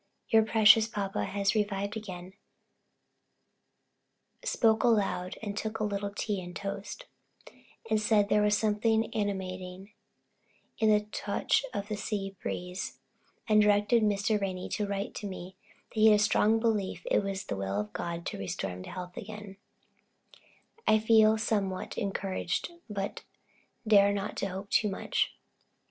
Your precious papa has revived again spoke aloud took a little tea and toast said there was something animating in the touch of the sea breeze, and directed Mr. Ranney to write to me that he had a strong belief it was the will of God to restore him again to health. I feel somewhat encouraged, but dare not hope too much.